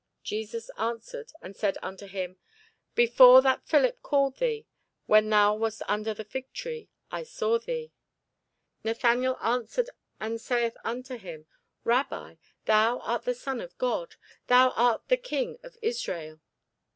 Jesus answered and said unto him, Before that Philip called thee, when thou wast under the fig tree, I saw thee. Nathanael answered and saith unto him, Rabbi, thou art the Son of God; thou art the King of Israel.